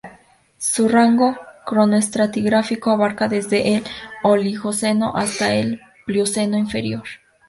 Su rango cronoestratigráfico abarcaba desde el Oligoceno hasta el Plioceno inferior.